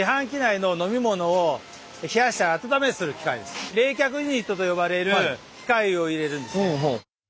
その次に冷却ユニットと呼ばれる機械を入れるんですけども。